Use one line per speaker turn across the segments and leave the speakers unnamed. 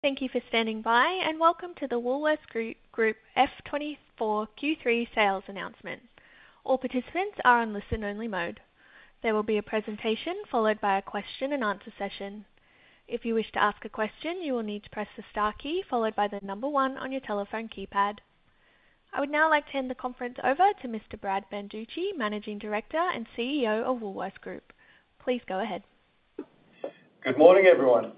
Thank you for standing by, and welcome to the Woolworths Group F24 Q3 Sales Announcement. All participants are in listen-only mode. There will be a presentation, followed by a question and answer session. If you wish to ask a question, you will need to press the star key, followed by the number 1 on your telephone keypad. I would now like to hand the conference over to Mr. Brad Banducci, Managing Director and CEO of Woolworths Group. Please go ahead.
Good morning, everyone.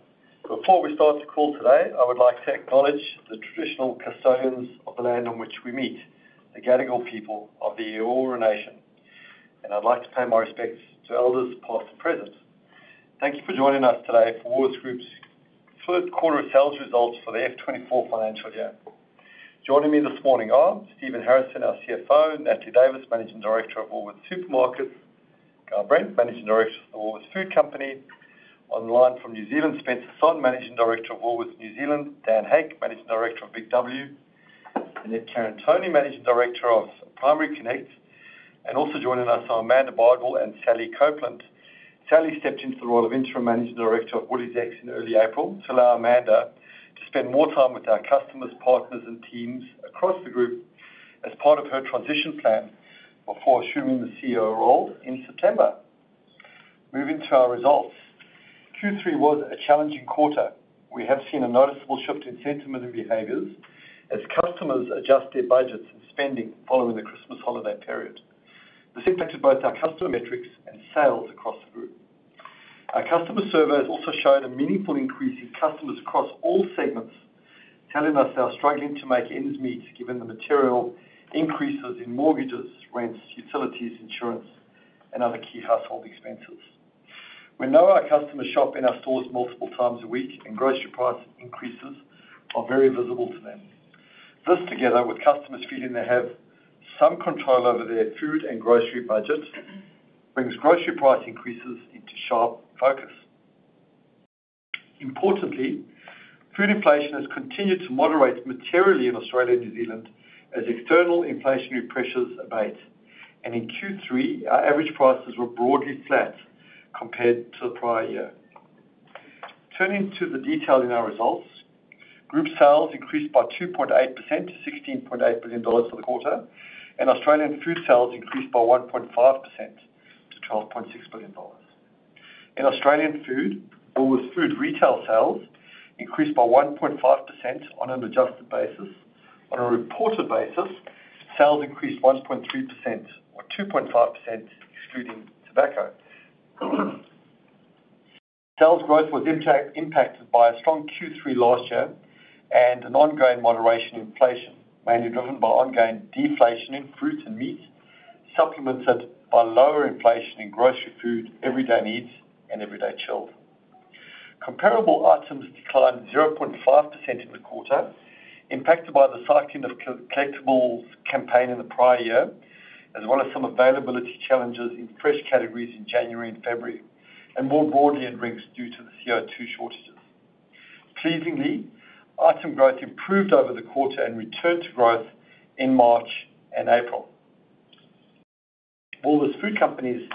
Before we start the call today, I would like to acknowledge the traditional custodians of the land on which we meet, the Gadigal people of the Eora Nation, and I'd like to pay my respects to elders, past, and present. Thank you for joining us today for Woolworths Group's third quarter sales results for the F24 financial year. Joining me this morning are Stephen Harrison, our CFO, Natalie Davis, Managing Director of Woolworths Supermarkets, Guy Brent, Managing Director of the Woolworths Food Company. Online from New Zealand, Spencer Sonn, Managing Director of Woolworths New Zealand, Dan Hake, Managing Director of BIG W, and then Annette Karantoni, Managing Director of Primary Connect. Also joining us are Amanda Bardwell and Sally Copland. Sally stepped into the role of Interim Managing Director of WooliesX in early April to allow Amanda to spend more time with our customers, partners, and teams across the group as part of her transition plan before assuming the CEO role in September. Moving to our results. Q3 was a challenging quarter. We have seen a noticeable shift in sentiment and behaviors as customers adjust their budgets and spending following the Christmas holiday period. This impacted both our customer metrics and sales across the group. Our customer survey has also shown a meaningful increase in customers across all segments, telling us they are struggling to make ends meet given the material increases in mortgages, rents, utilities, insurance, and other key household expenses. We know our customers shop in our stores multiple times a week, and grocery price increases are very visible to them. This, together with customers feeling they have some control over their food and grocery budget, brings grocery price increases into sharp focus. Importantly, food inflation has continued to moderate materially in Australia and New Zealand as external inflationary pressures abate. In Q3, our average prices were broadly flat compared to the prior year. Turning to the detail in our results, group sales increased by 2.8% to 16.8 billion dollars for the quarter, and Australian food sales increased by 1.5% to 12.6 billion dollars. In Australian food, our food retail sales increased by 1.5% on an adjusted basis. On a reported basis, sales increased 1.2% or 2.5%, excluding tobacco. Sales growth was impacted by a strong Q3 last year and an ongoing moderation in inflation, mainly driven by ongoing deflation in fruits and meats, supplemented by lower inflation in grocery food, everyday needs, and everyday chilled. Comparable items declined 0.5% in the quarter, impacted by the cycling of collectibles campaign in the prior year, as well as some availability challenges in fresh categories in January and February, and more broadly in drinks due to the CO2 shortages. Pleasingly, item growth improved over the quarter and returned to growth in March and April. Woolworths Food Company's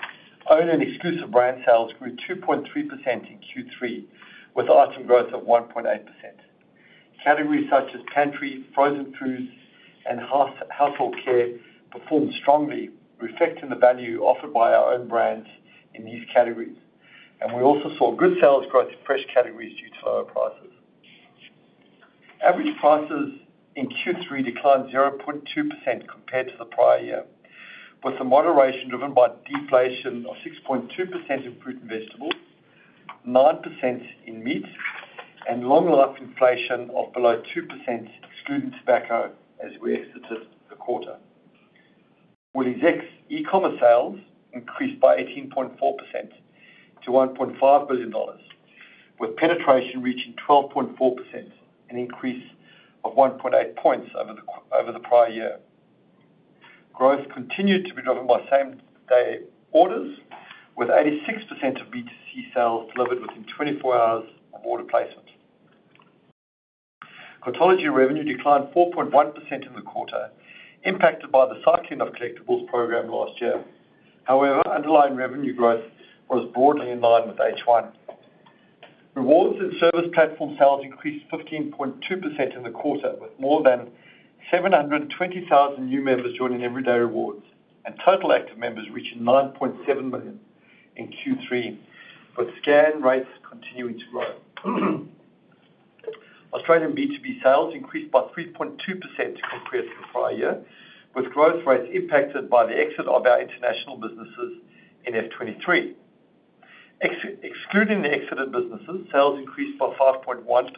own and exclusive brand sales grew 2.3% in Q3, with item growth of 1.8%. Categories such as pantry, frozen foods, and household care performed strongly, reflecting the value offered by our own brands in these categories. And we also saw good sales growth in fresh categories due to lower prices. Average prices in Q3 declined 0.2% compared to the prior year, with the moderation driven by deflation of 6.2% in fruit and vegetables, 9% in meat, and long-lasting inflation of below 2%, excluding tobacco, as we exited the quarter. WooliesX e-commerce sales increased by 18.4% to 1.5 billion dollars, with penetration reaching 12.4%, an increase of 1.8 points over the prior year. Growth continued to be driven by same-day orders, with 86% of B2C sales delivered within 24 hours of order placement. Cartology revenue declined 4.1% in the quarter, impacted by the cycling of Collectibles program last year. However, underlying revenue growth was broadly in line with H1. Rewards and service platform sales increased 15.2% in the quarter, with more than 720,000 new members joining Everyday Rewards, and total active members reaching 9.7 million in Q3, with scan rates continuing to grow. Australian B2B sales increased by 3.2% compared to the prior year, with growth rates impacted by the exit of our international businesses in F23. Excluding the exited businesses, sales increased by 5.1%,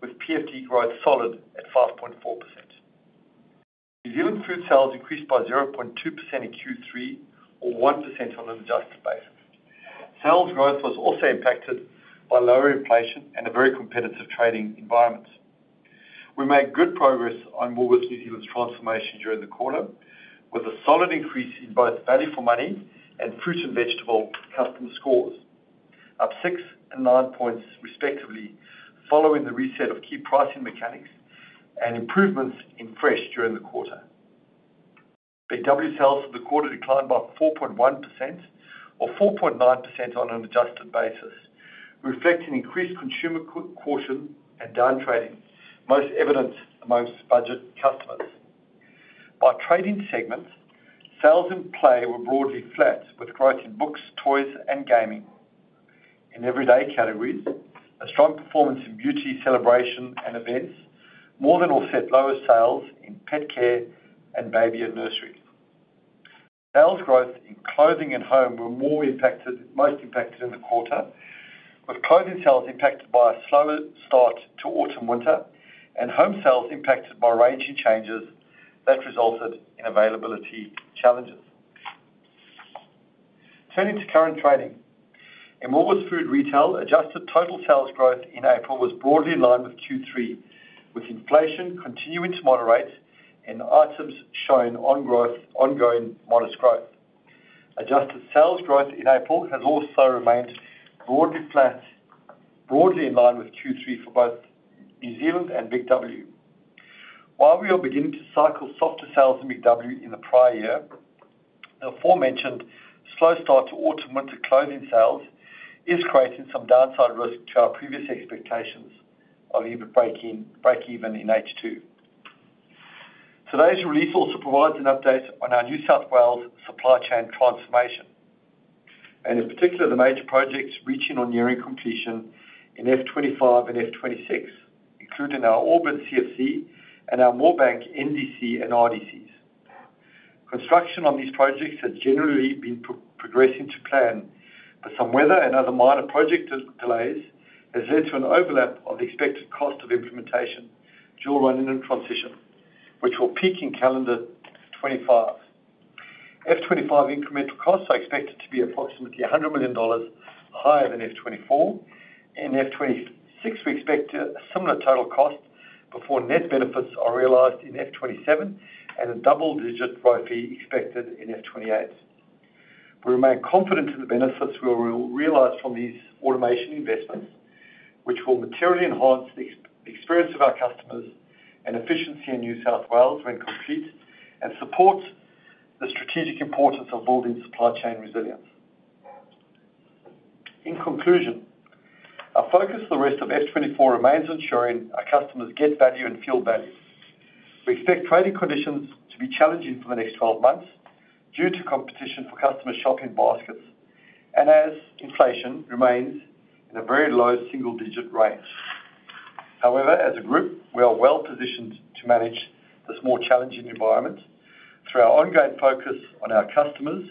with PFD growth solid at 5.4%. New Zealand food sales increased by 0.2% in Q3, or 1% on an adjusted basis. Sales growth was also impacted by lower inflation and a very competitive trading environment. We made good progress on Woolworths New Zealand's transformation during the quarter, with a solid increase in both value for money and fruits and vegetable customer scores, up 6 and 9 points, respectively, following the reset of key pricing mechanics and improvements in fresh during the quarter. BIG W sales for the quarter declined by 4.1% or 4.9% on an adjusted basis, reflecting increased consumer caution and down trading, most evident among budget customers. By trading segments, sales in Play were broadly flat, with growth in books, toys, and gaming. In Everyday categories, a strong performance in beauty, celebration, and events more than offset lower sales in pet care and baby and nursery. Sales growth in Clothing and Home were more impacted, most impacted in the quarter, with clothing sales impacted by a slower start to autumn/winter, and home sales impacted by ranging changes that resulted in availability challenges. Turning to current trading, in Woolworths Food Retail, adjusted total sales growth in April was broadly in line with Q3, with inflation continuing to moderate and items showing on growth- ongoing modest growth. Adjusted sales growth in April has also remained broadly flat, broadly in line with Q3 for both New Zealand and BIG W. While we are beginning to cycle softer sales in BIG W in the prior year, the aforementioned slow start to autumn/winter clothing sales is creating some downside risk to our previous expectations of EBIT break-even, break even in H2. Today's release also provides an update on our New South Wales supply chain transformation, and in particular, the major projects reaching or nearing completion in F25 and F26, including our Auburn CFC and our Moorebank NDC and RDCs. Construction on these projects has generally been progressing to plan, but some weather and other minor project delays has led to an overlap of the expected cost of implementation during run-in and transition, which will peak in calendar 2025. F25 incremental costs are expected to be approximately 100 million dollars higher than F24. In F26, we expect a similar total cost before net benefits are realized in F27 and a double-digit ROIC expected in F28. We remain confident in the benefits we will realize from these automation investments, which will materially enhance the experience of our customers and efficiency in New South Wales when complete, and support the strategic importance of building supply chain resilience. In conclusion, our focus for the rest of F24 remains ensuring our customers get value and feel value. We expect trading conditions to be challenging for the next 12 months due to competition for customer shopping baskets and as inflation remains in a very low single-digit range. However, as a group, we are well positioned to manage this more challenging environment through our ongoing focus on our customers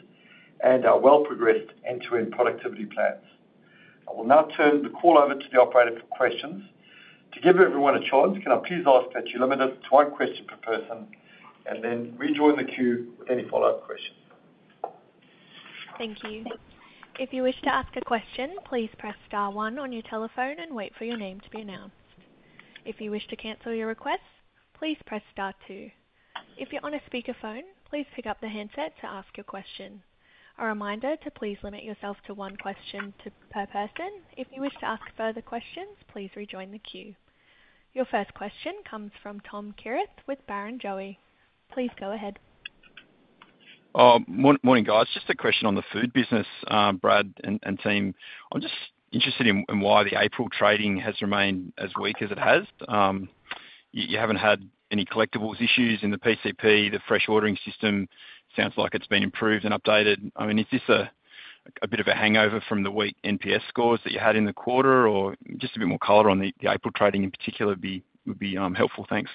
and our well-progressed end-to-end productivity plans. I will now turn the call over to the operator for questions. To give everyone a chance, can I please ask that you limit us to one question per person and then rejoin the queue with any follow-up questions?
Thank you. If you wish to ask a question, please press star one on your telephone and wait for your name to be announced. If you wish to cancel your request, please press star two. If you're on a speakerphone, please pick up the handset to ask your question. A reminder to please limit yourself to one question per person. If you wish to ask further questions, please rejoin the queue. Your first question comes from Tom Kierath with Barrenjoey. Please go ahead.
Morning, morning, guys. Just a question on the food business, Brad and team. I'm just interested in why the April trading has remained as weak as it has. You haven't had any collectibles issues in the PCP. The fresh ordering system sounds like it's been improved and updated. I mean, is this a bit of a hangover from the weak NPS scores that you had in the quarter, or just a bit more color on the April trading in particular would be helpful? Thanks.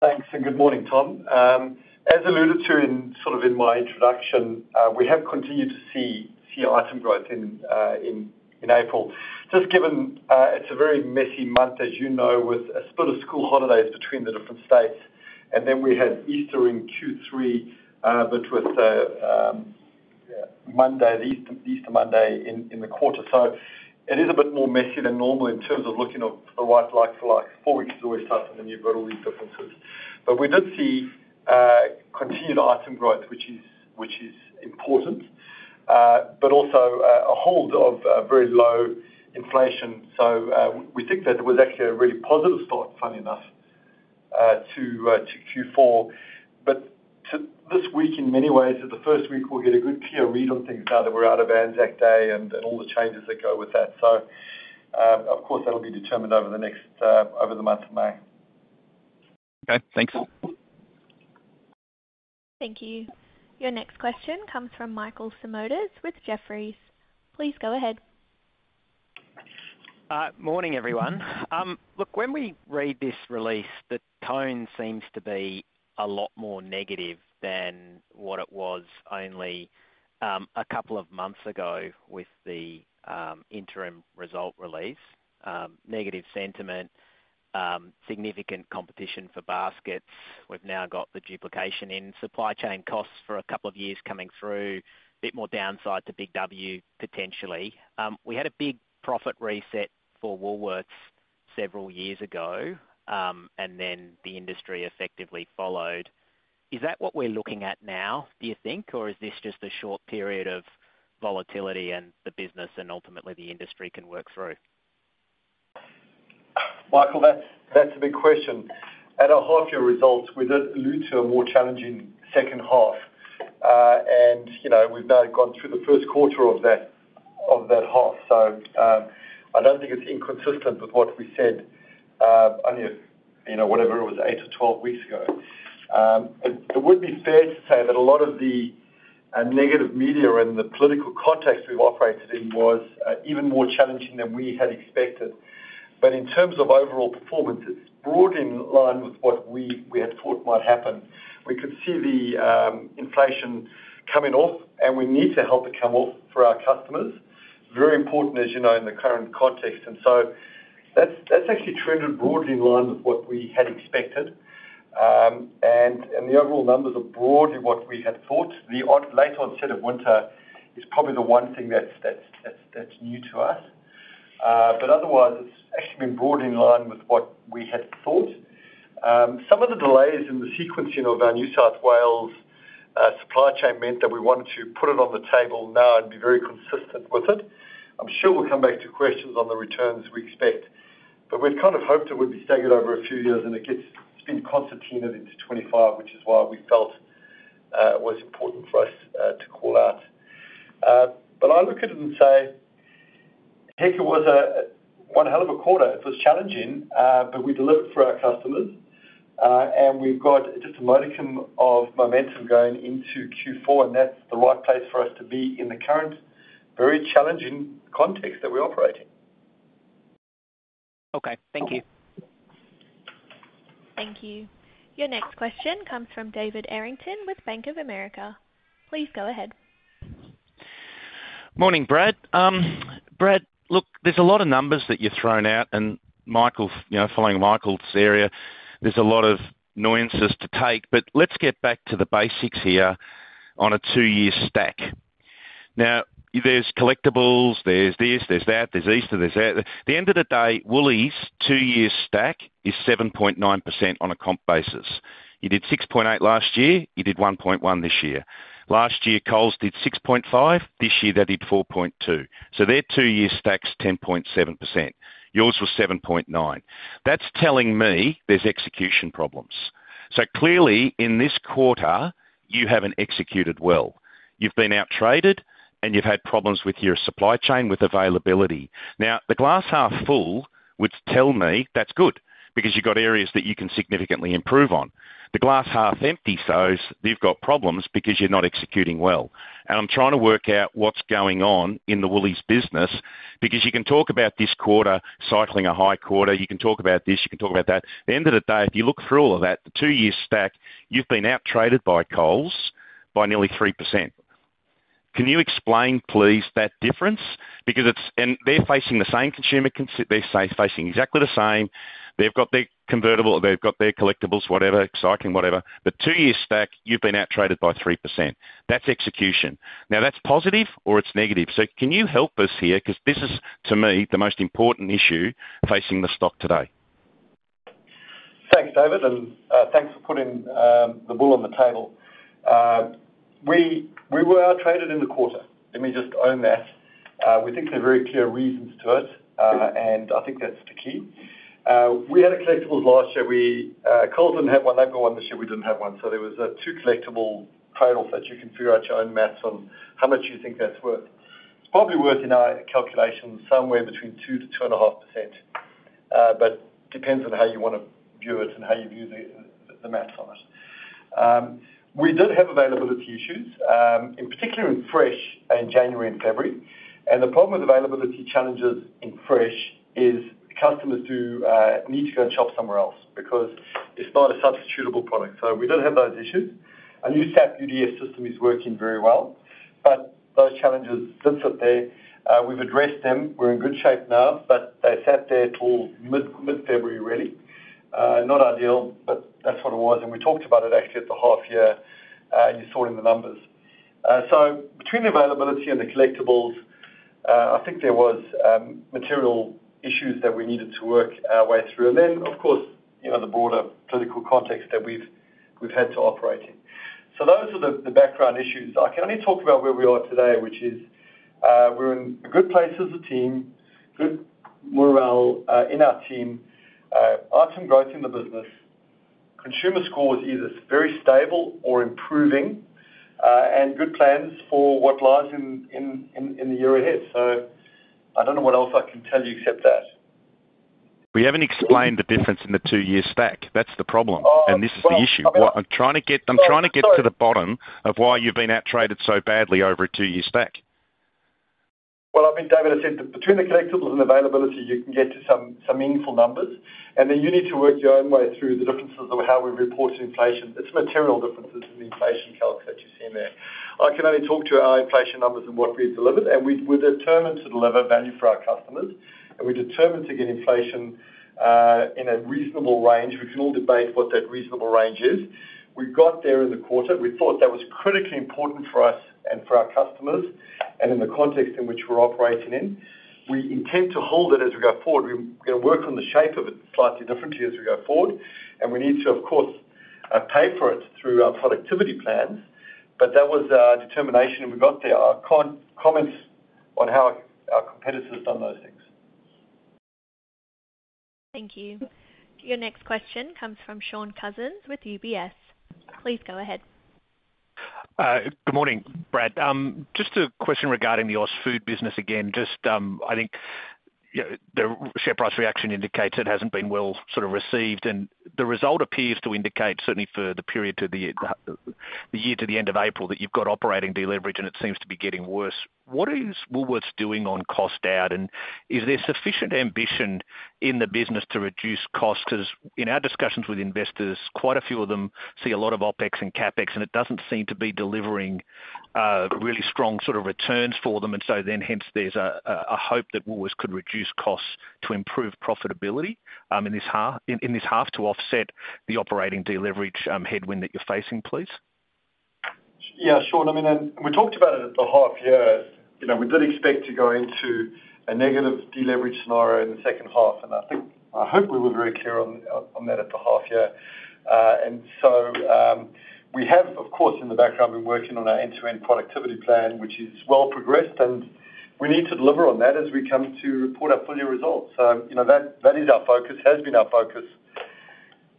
Thanks, and good morning, Tom. As alluded to in sort of in my introduction, we have continued to see item growth in April. Just given it's a very messy month, as you know, with a split of school holidays between the different states, and then we had Easter in Q3, but with Monday, the Easter Monday in the quarter. So it is a bit more messy than normal in terms of looking at what's like to like. Four weeks is always tough when you've got all these differences. But we did see continued item growth, which is important, but also a hold of very low inflation. So we think that was actually a really positive start, funny enough, to Q4. But this week, in many ways, is the first week we'll get a good clear read on things now that we're out of Anzac Day and all the changes that go with that. So, of course, that'll be determined over the month of May.
Okay, thanks.
Thank you. Your next question comes from Michael Simotas with Jefferies. Please go ahead.
Morning, everyone. Look, when we read this release, the tone seems to be a lot more negative than what it was only a couple of months ago with the interim result release. Negative sentiment, significant competition for baskets. We've now got the duplication in supply chain costs for a couple of years coming through, a bit more downside to BIG W, potentially. We had a big profit reset for Woolworths several years ago, and then the industry effectively followed. Is that what we're looking at now, do you think, or is this just a short period of volatility in the business and ultimately the industry can work through? ...
Michael, that's, that's a big question. At our half year results, we did allude to a more challenging second half. You know, we've now gone through the first quarter of that half. I don't think it's inconsistent with what we said, only, you know, whatever it was, 8-12 weeks ago. It would be fair to say that a lot of the negative media and the political context we've operated in was even more challenging than we had expected. But in terms of overall performance, it's broadly in line with what we had thought might happen. We could see the inflation coming off, and we need to help it come off for our customers. Very important, as you know, in the current context, and so that's actually trended broadly in line with what we had expected. And the overall numbers are broadly what we had thought. The odd late onset of winter is probably the one thing that's new to us. But otherwise, it's actually been broadly in line with what we had thought. Some of the delays in the sequencing of our New South Wales supply chain meant that we wanted to put it on the table now and be very consistent with it. I'm sure we'll come back to questions on the returns we expect, but we'd kind of hoped it would be staggered over a few years, and it's been concertinaed into 25, which is why we felt it was important for us to call out. But I look at it and say, heck, it was one hell of a quarter. It was challenging, but we delivered for our customers, and we've got just a modicum of momentum going into Q4, and that's the right place for us to be in the current, very challenging context that we operate in.
Okay. Thank you.
Thank you. Your next question comes from David Errington with Bank of America. Please go ahead.
Morning, Brad. Brad, look, there's a lot of numbers that you've thrown out, and Michael, you know, following Michael's area, there's a lot of nuances to take, but let's get back to the basics here on a two-year stack. Now, there's collectibles, there's this, there's that, there's Easter, there's that. At the end of the day, Woolies' two-year stack is 7.9% on a comp basis. You did 6.8 last year, you did 1.1 this year. Last year, Coles did 6.5, this year they did 4.2. So their two-year stack's 10.7%. Yours was 7.9. That's telling me there's execution problems. So clearly, in this quarter, you haven't executed well. You've been out-traded, and you've had problems with your supply chain, with availability. Now, the glass half full would tell me that's good because you've got areas that you can significantly improve on. The glass half empty shows you've got problems because you're not executing well. And I'm trying to work out what's going on in the Woolies business, because you can talk about this quarter cycling a high quarter, you can talk about this, you can talk about that. At the end of the day, if you look through all of that, the two-year stack, you've been out-traded by Coles by nearly 3%. Can you explain, please, that difference? Because it's, and they're facing the same consumer conditions. They're facing exactly the same. They've got their convertible, they've got their collectibles, whatever, cycling, whatever. The two-year stack, you've been out-traded by 3%. That's execution. Now, that's positive or it's negative. So can you help us here? Because this is, to me, the most important issue facing the stock today.
Thanks, David, and thanks for putting the bull on the table. We were out-traded in the quarter. Let me just own that. We think there are very clear reasons to it, and I think that's the key. We had a collectibles last year. Coles didn't have one, they've got one this year, we didn't have one, so there was a 2 collectible trade-off that you can figure out your own math on how much you think that's worth. It's probably worth, in our calculation, somewhere between 2%-2.5%, but depends on how you wanna view it and how you view the math on it. We did have availability issues, in particular in fresh, in January and February. And the problem with availability challenges in fresh is customers do need to go and shop somewhere else because it's not a substitutable product. So we did have those issues. Our new SAP UDF system is working very well, but those challenges sit there. We've addressed them, we're in good shape now, but they sat there till mid-February, really. Not ideal, but that's what it was, and we talked about it actually at the half year, and you saw it in the numbers. So between the availability and the collectibles, I think there was material issues that we needed to work our way through. And then, of course, you know, the broader political context that we've had to operate in. So those are the background issues. I can only talk about where we are today, which is, we're in a good place as a team, good morale in our team, item growth in the business, consumer score is either very stable or improving, and good plans for what lies in the year ahead. So I don't know what else I can tell you except that.
We haven't explained the difference in the two-year stack. That's the problem.
Oh, well-
and this is the issue. What I'm trying to get-
I'm sorry.
I'm trying to get to the bottom of why you've been out-traded so badly over a two-year stack.
Well, I mean, David, I said between the collectibles and availability, you can get to some meaningful numbers, and then you need to work your own way through the differences of how we report inflation. It's material differences in the inflation calc that you see in there. I can only talk to our inflation numbers and what we've delivered, and we're determined to deliver value for our customers, and we're determined to get inflation in a reasonable range. We can all debate what that reasonable range is. We got there in the quarter. We thought that was critically important for us and for our customers, and in the context in which we're operating in. We intend to hold it as we go forward. We're gonna work on the shape of it slightly differently as we go forward, and we need to, of course, pay for it through our productivity plans. But that was our determination, and we got there. I can't comment on how our competitors have done those things.
Thank you. Your next question comes from Shaun Cousins with UBS. Please go ahead.
Good morning, Brad. Just a question regarding the AusFood business again. Just, I think, you know, the share price reaction indicates it hasn't been well sort of received, and the result appears to indicate, certainly for the period to the year to the end of April, that you've got operating deleverage, and it seems to be getting worse. What is Woolworths doing on cost out? And is there sufficient ambition in the business to reduce costs? Because in our discussions with investors, quite a few of them see a lot of OpEx and CapEx, and it doesn't seem to be delivering really strong sort of returns for them. And so then, hence, there's a hope that Woolworths could reduce costs to improve profitability in this half to offset the operating deleverage headwind that you're facing, please.
Yeah, Shaun, I mean, we talked about it at the half year. You know, we did expect to go into a negative deleverage scenario in the second half, and I think, I hope we were very clear on that at the half year. So, we have, of course, in the background, been working on our end-to-end productivity plan, which is well progressed, and we need to deliver on that as we come to report our full year results. So, you know, that is our focus, has been our focus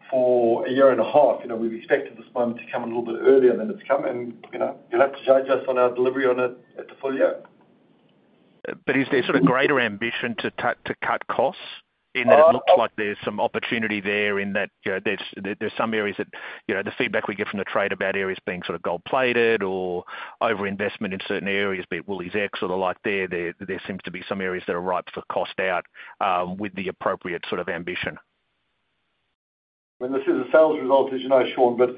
for a year and a half. You know, we've expected this moment to come a little bit earlier than it's come, and, you know, you'll have to judge us on our delivery on it at the full year.
Is there sort of greater ambition to cut, to cut costs?
Uh-
In that it looks like there's some opportunity there, in that, you know, there's some areas that, you know, the feedback we get from the trade about areas being sort of gold-plated or overinvestment in certain areas, be it WooliesX or the like, there seems to be some areas that are ripe for cost out, with the appropriate sort of ambition.
This is a sales result, as you know, Shaun, but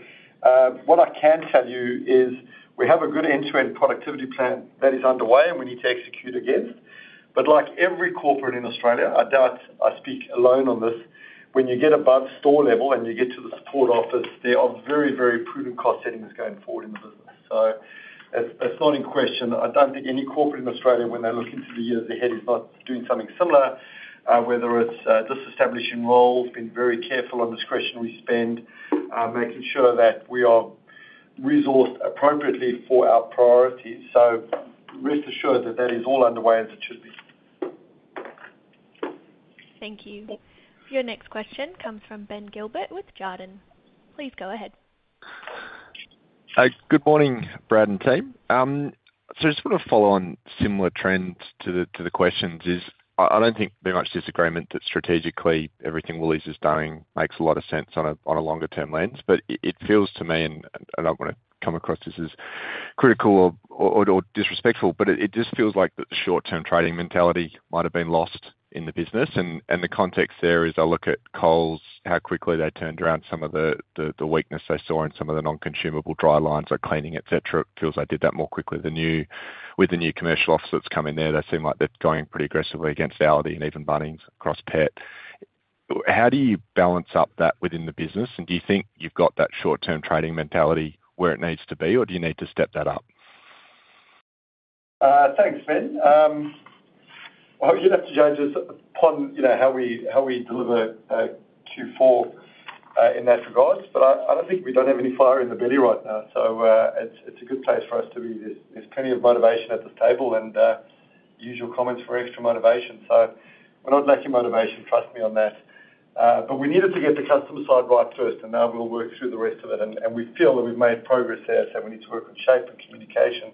what I can tell you is we have a good end-to-end productivity plan that is underway, and we need to execute against. But like every corporate in Australia, I doubt I speak alone on this, when you get above store level and you get to the support office, there are very, very prudent cost settings going forward in the business. So it, it's not in question. I don't think any corporate in Australia, when they're looking to the year ahead, is not doing something similar, whether it's just establishing roles, being very careful on discretionary spend, making sure that we are resourced appropriately for our priorities. So rest assured that that is all underway as it should be.
Thank you. Your next question comes from Ben Gilbert with Jarden. Please go ahead.
Good morning, Brad and team. So I just want to follow on similar trends to the questions. I don't think there's much disagreement that strategically everything Woolies is doing makes a lot of sense on a longer term lens. But it feels to me, and I don't want to come across this as critical or disrespectful, but it just feels like the short-term trading mentality might have been lost in the business. And the context there is I look at Coles, how quickly they turned around some of the weakness they saw in some of the non-consumable dry lines, like cleaning, et cetera. It feels they did that more quickly than you. With the new commercial officer that's come in there, they seem like they're going pretty aggressively against Aldi and even Bunnings across pet. How do you balance up that within the business? And do you think you've got that short-term trading mentality where it needs to be, or do you need to step that up?
Thanks, Ben. Well, you'd have to judge us upon, you know, how we deliver Q4 in that regard. But I don't think we don't have any fire in the belly right now, so it's a good place for us to be. There's plenty of motivation at this table and usual comments for extra motivation. So we're not lacking motivation, trust me on that. But we needed to get the customer side right first, and now we'll work through the rest of it, and we feel that we've made progress there. So we need to work on shape and communication,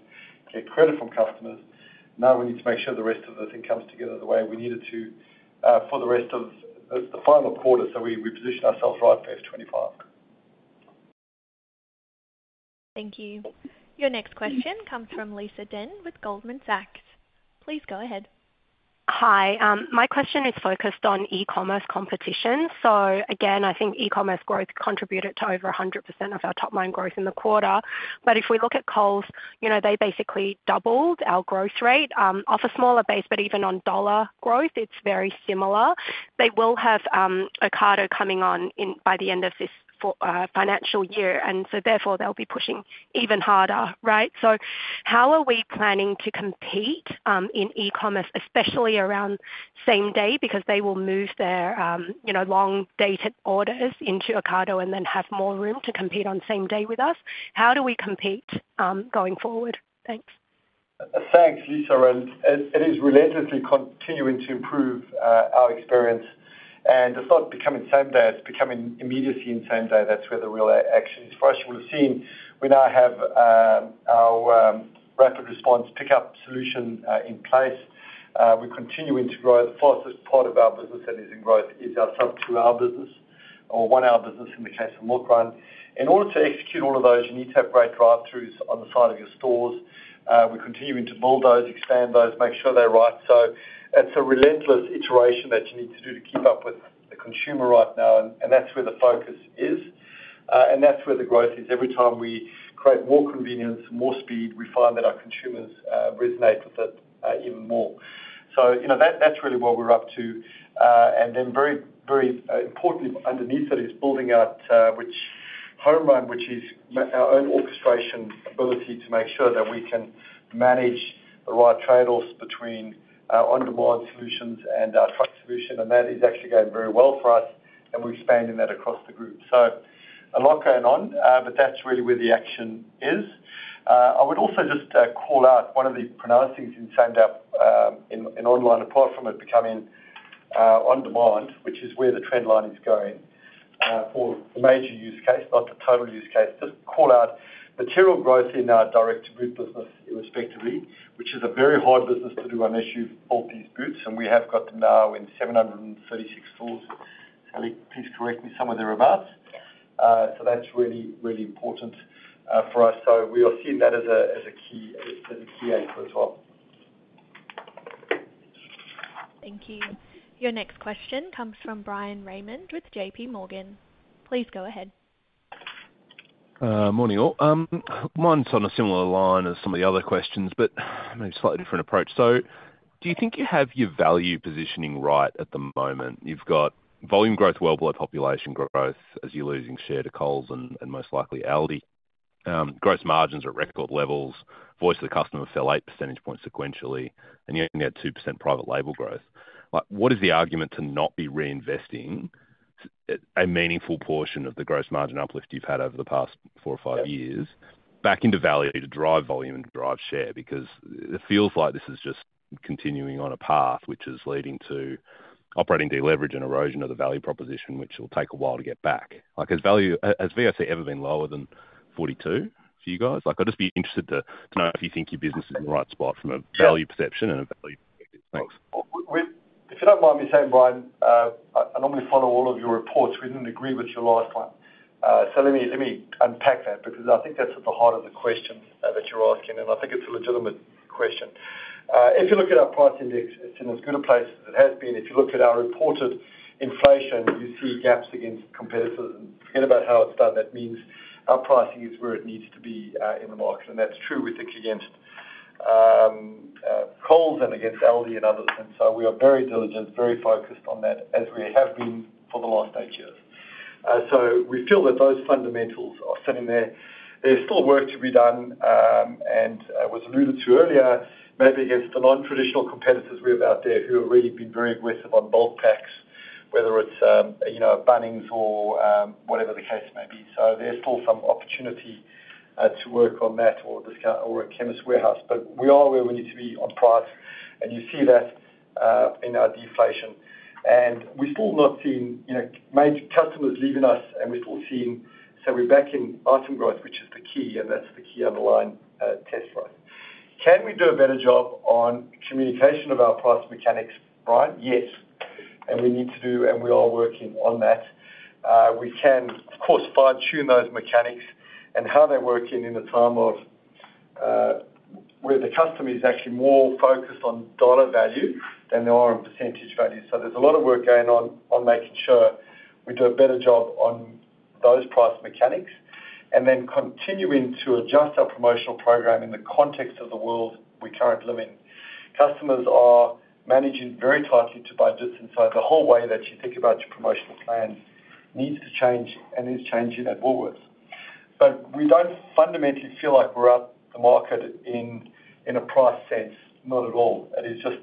get credit from customers. Now we need to make sure the rest of the thing comes together the way we need it to, for the rest of the final quarter, so we position ourselves right for F25.
Thank you. Your next question comes from Lisa Deng with Goldman Sachs. Please go ahead.
Hi. My question is focused on e-commerce competition. So again, I think e-commerce growth contributed to over 100% of our top line growth in the quarter. But if we look at Coles, you know, they basically doubled our growth rate off a smaller base, but even on dollar growth, it's very similar. They will have Ocado coming on in by the end of this financial year, and so therefore, they'll be pushing even harder, right? So how are we planning to compete in e-commerce, especially around same day? Because they will move their, you know, long-dated orders into Ocado and then have more room to compete on same day with us. How do we compete going forward? Thanks.
Thanks, Lisa, and it is relentlessly continuing to improve our experience. And it's not becoming same day, it's becoming immediacy and same day. That's where the real action is for us. You would have seen we now have our rapid response pickup solution in place. We're continuing to grow. The fastest part of our business that is in growth is our sub 2-hour business or 1-hour business in the case of Milkrun. In order to execute all of those, you need to have great drive-throughs on the side of your stores. We're continuing to build those, expand those, make sure they're right. So it's a relentless iteration that you need to do to keep up with the consumer right now, and that's where the focus is, and that's where the growth is. Every time we create more convenience, more speed, we find that our consumers resonate with it even more. So, you know, that, that's really what we're up to. And then very, very importantly, underneath that is building out HomeRun, which is our own orchestration ability, to make sure that we can manage the right trade-offs between our on-demand solutions and our truck solution, and that is actually going very well for us... and we're expanding that across the group. So a lot going on, but that's really where the action is. I would also just call out one of the pronounced things in second half in online, apart from it becoming on-demand, which is where the trend line is going for the major use case, not the total use case. Just call out material growth in our Direct to Boot business, irrespective, which is a very hard business to do unless you've got these booths, and we have got them now in 736 stores. Sally, please correct me if I'm about. So that's really, really important for us. So we are seeing that as a, as a key, as a key aid for the top.
Thank you. Your next question comes from Bryan Raymond with JP Morgan. Please go ahead.
Morning, all. Mine's on a similar line as some of the other questions, but maybe a slightly different approach. So do you think you have your value positioning right at the moment? You've got volume growth well below population growth, as you're losing share to Coles and most likely Aldi. Gross margins are at record levels. Voice of the customer fell 8 percentage points sequentially, and you only had 2% private label growth. Like, what is the argument to not be reinvesting a meaningful portion of the gross margin uplift you've had over the past 4 or 5 years back into value to drive volume and drive share? Because it feels like this is just continuing on a path which is leading to operating deleverage and erosion of the value proposition, which will take a while to get back. Like, Has VOC ever been lower than 42 for you guys? I'd just be interested to, to know if you think your business is in the right spot from a value perception and a value. Thanks.
If you don't mind me saying, Bryan, I normally follow all of your reports. We didn't agree with your last one. So let me, let me unpack that, because I think that's at the heart of the question that you're asking, and I think it's a legitimate question. If you look at our price index, it's in as good a place as it has been. If you look at our reported inflation, you see gaps against competitors. Forget about how it's done. That means our pricing is where it needs to be in the market, and that's true. We think against Coles and against Aldi and others, and so we are very diligent, very focused on that, as we have been for the last eight years. So we feel that those fundamentals are sitting there. There's still work to be done, and was alluded to earlier, maybe against the non-traditional competitors we have out there who have really been very aggressive on bulk packs, whether it's, you know, Bunnings or, whatever the case may be. So there's still some opportunity to work on that or discount or a Chemist Warehouse, but we are where we need to be on price, and you see that in our deflation. And we've still not seen, you know, major customers leaving us, and we've still seen... So we're back in item growth, which is the key, and that's the key on the line test drive. Can we do a better job on communication of our price mechanics, Bryan? Yes, and we need to do, and we are working on that. We can, of course, fine-tune those mechanics and how they're working in a time of where the customer is actually more focused on dollar value than they are on percentage value. So there's a lot of work going on making sure we do a better job on those price mechanics, and then continuing to adjust our promotional program in the context of the world we're currently living in. Customers are managing very tightly to budget. So the whole way that you think about your promotional plan needs to change and is changing at Woolworths. But we don't fundamentally feel like we're at the market in a price sense. Not at all. It is just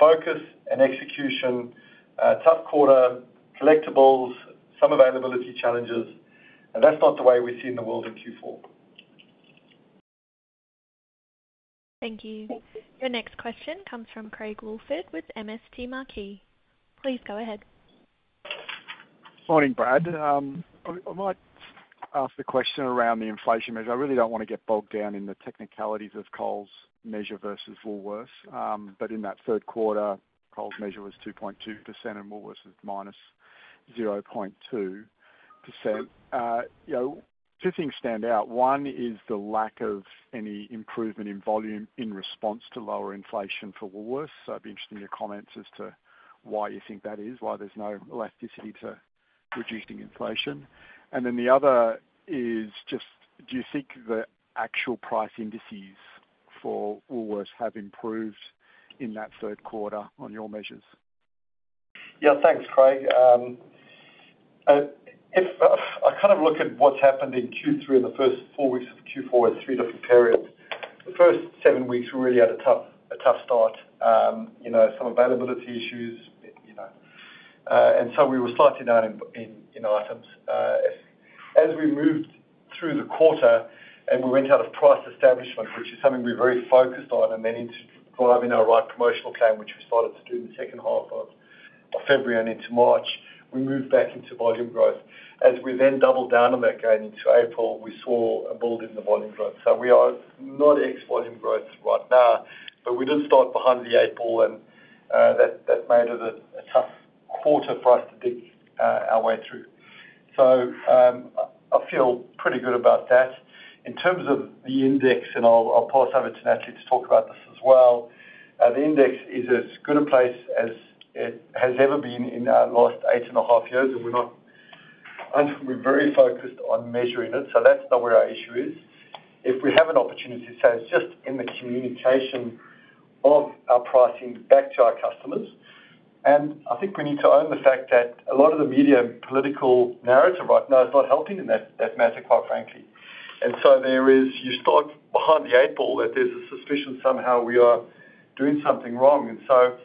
focus and execution, tough quarter, collectibles, some availability challenges, and that's not the way we're seeing the world in Q4.
Thank you. Your next question comes from Craig Woolford with MST Marquee. Please go ahead.
Morning, Brad. I might ask the question around the inflation measure. I really don't want to get bogged down in the technicalities of Coles measure versus Woolworths, but in that third quarter, Coles measure was 2.2% and Woolworths was -0.2%. You know, two things stand out. One is the lack of any improvement in volume in response to lower inflation for Woolworths. So I'd be interested in your comments as to why you think that is, why there's no elasticity to reducing inflation. And then the other is just, do you think the actual price indices for Woolworths have improved in that third quarter on your measures?
Yeah. Thanks, Craig. If I kind of look at what's happened in Q3 and the first 4 weeks of Q4, it's three different periods. The first 7 weeks, we really had a tough, a tough start, you know, some availability issues, you know, and so we were slightly down in items. As we moved through the quarter and we went out of price establishment, which is something we're very focused on, and then into driving our right promotional plan, which we started to do in the second half of February and into March, we moved back into volume growth. As we then doubled down on that again into April, we saw a build in the volume growth. So we are not exploring growth right now, but we did start behind the eight ball, and that made it a tough quarter for us to dig our way through. So I feel pretty good about that. In terms of the index, and I'll pass over to Natalie to talk about this as well. The index is as good a place as it has ever been in our last eight and a half years, and we're not-- We're very focused on measuring it, so that's not where our issue is. If we have an opportunity, so it's just in the communication of our pricing back to our customers, and I think we need to own the fact that a lot of the media and political narrative right now is not helping in that matter, quite frankly. And so there is, you start behind the eight ball, that there's a suspicion somehow we are doing something wrong. And so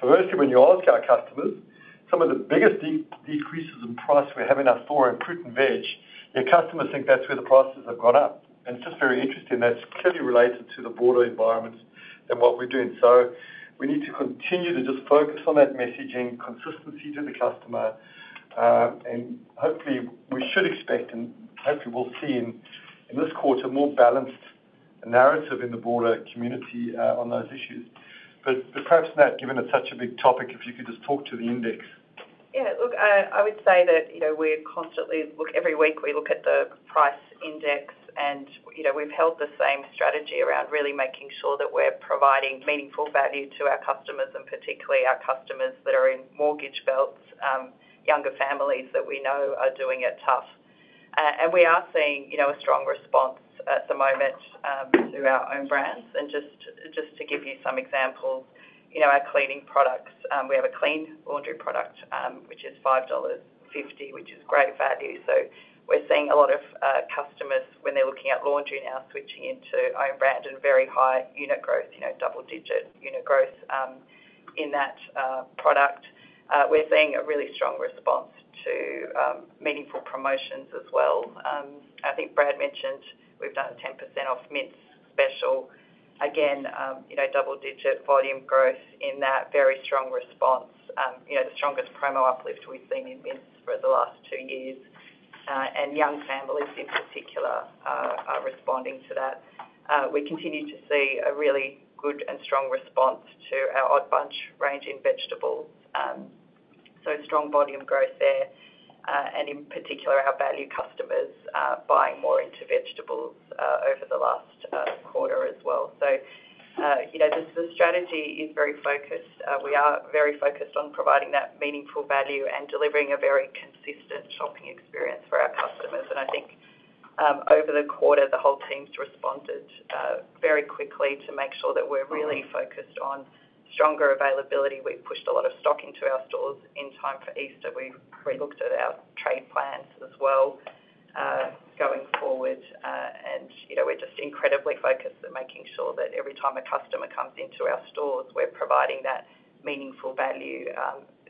firstly, when you ask our customers, some of the biggest decreases in price we're having are for in fruit and veg, your customers think that's where the prices have gone up. And it's just very interesting, that's clearly related to the broader environment and what we're doing. So we need to continue to just focus on that messaging, consistency to the customer, and hopefully, we should expect, and hopefully we'll see in this quarter, a more balanced narrative in the broader community, on those issues. But perhaps, Nat, given it's such a big topic, if you could just talk to the index.
Yeah, look, I would say that, you know, we're constantly—look, every week we look at the price index, and, you know, we've held the same strategy around really making sure that we're providing meaningful value to our customers, and particularly our customers that are in mortgage belts, younger families that we know are doing it tough. And we are seeing, you know, a strong response at the moment, to our own brands. And just, just to give you some examples, you know, our cleaning products, we have a Clean laundry product, which is 5.50 dollars, which is great value. So we're seeing a lot of customers, when they're looking at laundry now, switching into own brand and very high unit growth, you know, double-digit unit growth, in that product. We're seeing a really strong response to meaningful promotions as well. I think Brad mentioned we've done a 10% off mince special. Again, you know, double-digit volume growth in that very strong response. You know, the strongest promo uplift we've seen in mince for the last two years, and young families in particular are responding to that. We continue to see a really good and strong response to our Odd Bunch range in vegetables. So strong volume growth there, and in particular, our value customers buying more into vegetables over the last quarter as well. You know, the strategy is very focused. We are very focused on providing that meaningful value and delivering a very consistent shopping experience for our customers. I think, over the quarter, the whole team's responded very quickly to make sure that we're really focused on stronger availability. We've pushed a lot of stock into our stores in time for Easter. We've relooked at our trade plans as well, going forward. And, you know, we're just incredibly focused on making sure that every time a customer comes into our stores, we're providing that meaningful value,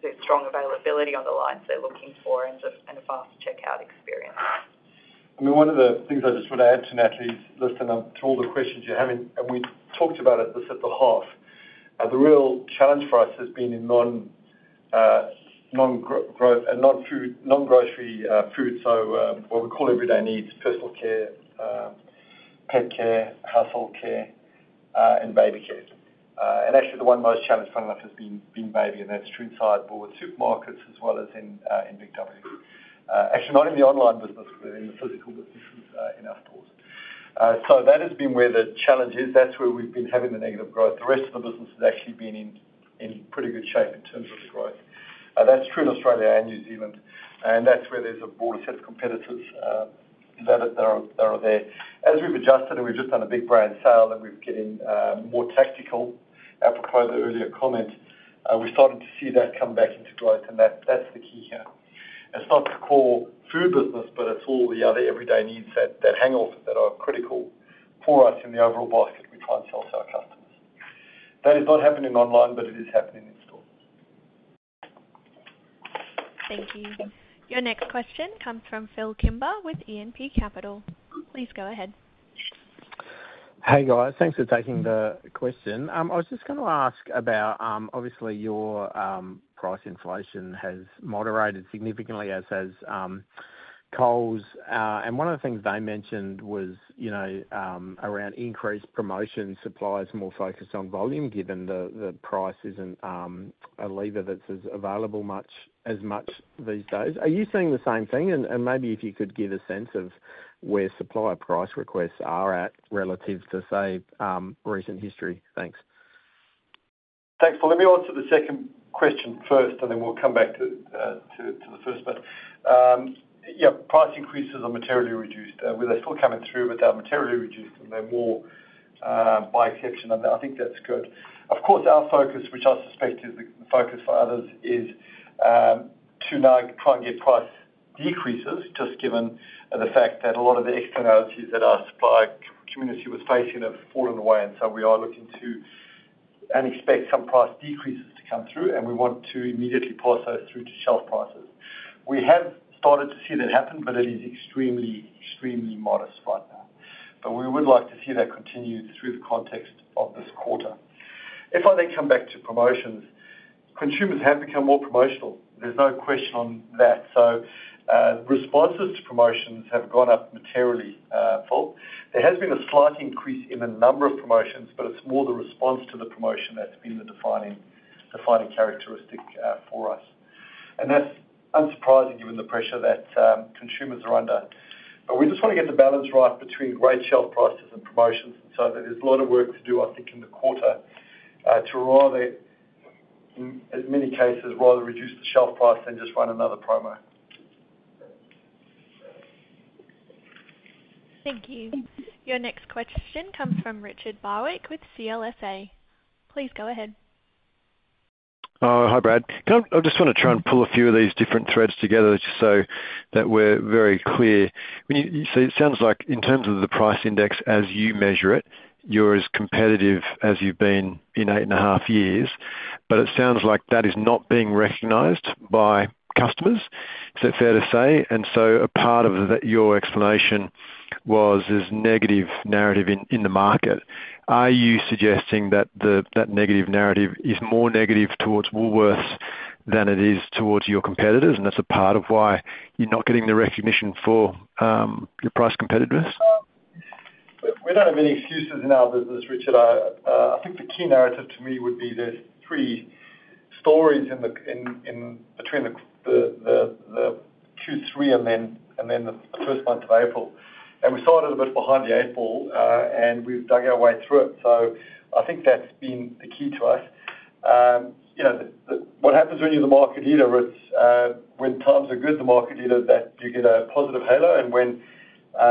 the strong availability on the lines they're looking for, and a, and a fast checkout experience.
I mean, one of the things I just want to add to Natalie's list, and to all the questions you're having, and we talked about it this at the half, the real challenge for us has been in non-grocery growth and non-food, non-grocery food. So, what we call Everyday Needs, personal care, pet care, household care, and baby care. And actually, the one most challenged front of us has been baby, and that's true inside both supermarkets as well as in BIG W. Actually, not in the online business, but in the physical businesses, in our stores. So that has been where the challenge is. That's where we've been having the negative growth. The rest of the business has actually been in pretty good shape in terms of growth. That's true in Australia and New Zealand, and that's where there's a broader set of competitors that are there. As we've adjusted, and we've just done a big brand sale, and we're getting more tactical, apropos the earlier comment, we're starting to see that come back into growth, and that's the key here. It's not the core food business, but it's all the other everyday needs that hang off it that are critical for us in the overall basket we try and sell to our customers. That is not happening online, but it is happening in stores.
Thank you. Your next question comes from Phil Kimber with E&P Capital. Please go ahead.
Hey, guys. Thanks for taking the question. I was just gonna ask about, obviously your, price inflation has moderated significantly, as has, Coles. And one of the things they mentioned was, you know, around increased promotion, suppliers more focused on volume, given the price isn't, a lever that's as available much, as much these days. Are you seeing the same thing? And maybe if you could give a sense of where supplier price requests are at relative to, say, recent history. Thanks.
Thanks, Phil. Let me answer the second question first, and then we'll come back to the first. But, yeah, price increases are materially reduced. Well, they're still coming through, but they're materially reduced, and they're more by exception, and I think that's good. Of course, our focus, which I suspect is the focus for others, is to now try and get price decreases, just given the fact that a lot of the externalities that our supply community was facing have fallen away, and so we are looking to, and expect some price decreases to come through, and we want to immediately pass those through to shelf prices. We have started to see that happen, but it is extremely, extremely modest right now. But we would like to see that continue through the context of this quarter. If I then come back to promotions, consumers have become more promotional. There's no question on that. So, responses to promotions have gone up materially, Phil. There has been a slight increase in the number of promotions, but it's more the response to the promotion that's been the defining, defining characteristic, for us. And that's unsurprising, given the pressure that, consumers are under. But we just want to get the balance right between great shelf prices and promotions, and so there's a lot of work to do, I think, in the quarter, to rather, in many cases, rather reduce the shelf price than just run another promo.
Thank you. Your next question comes from Richard Barwick with CLSA. Please go ahead. ...
Oh, hi, Brad. Can I- I just want to try and pull a few of these different threads together just so that we're very clear. When you-- so it sounds like in terms of the price index, as you measure it, you're as competitive as you've been in eight and a half years, but it sounds like that is not being recognized by customers. Is that fair to say? And so a part of that, your explanation was, is negative narrative in, in the market. Are you suggesting that the, that negative narrative is more negative towards Woolworths than it is towards your competitors, and that's a part of why you're not getting the recognition for your price competitiveness?
We don't have any excuses in our business, Richard. I think the key narrative to me would be there's three stories in between the Q3 and then the first month of April. And we started a bit behind the eight ball, and we've dug our way through it. So I think that's been the key to us. You know, what happens when you're the market leader is when times are good, the market leader, that you get a positive halo, and when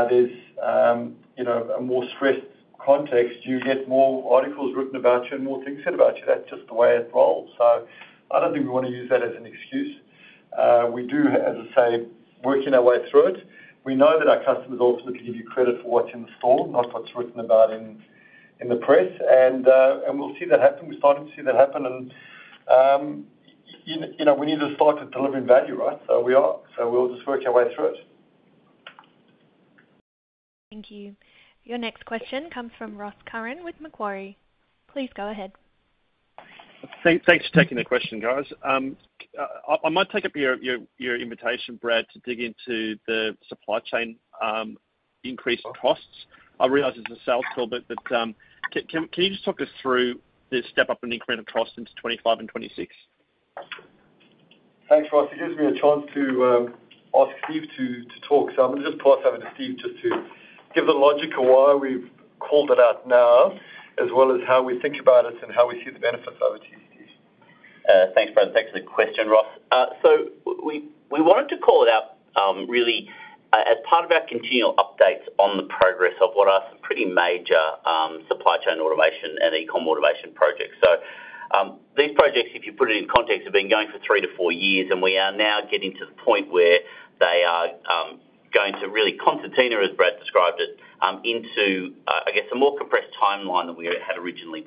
there's a more stressed context, you get more articles written about you and more things said about you. That's just the way it rolls. So I don't think we want to use that as an excuse. We do, as I say, working our way through it. We know that our customers ultimately give you credit for what's in the store, not what's written about in the press. And we'll see that happen. We're starting to see that happen and, you know, we need to start delivering value, right? So we are. So we'll just work our way through it.
Thank you. Your next question comes from Ross Curran with Macquarie. Please go ahead.
Thanks for taking the question, guys. I might take up your invitation, Brad, to dig into the supply chain increased costs. I realize it's a sales tool, but can you just talk us through the step up in incremental costs into 25 and 26?
Thanks, Ross. It gives me a chance to ask Steve to talk. So I'm gonna just pass over to Steve just to give the logic of why we've called it out now, as well as how we think about it and how we see the benefits over to you, Steve.
Thanks, Brad. Thanks for the question, Ross. So we wanted to call it out, really, as part of our continual updates on the progress of what are some pretty major supply chain automation and e-com automation projects. So these projects, if you put it in context, have been going for three to four years, and we are now getting to the point where they are going to really concertina, as Brad described it, into, I guess, a more compressed timeline than we had originally